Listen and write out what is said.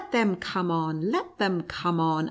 101 them come on !— let them come on !